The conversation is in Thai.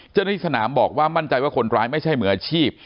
เจ้าหน้าที่สนามบอกว่ามั่นใจว่าคนร้ายไม่ใช่มืออาชีพ